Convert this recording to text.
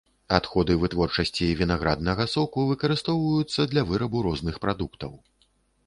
Адходы вытворчасці вінаграднага соку выкарыстоўваюцца для вырабу розных прадуктаў.